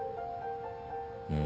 うん。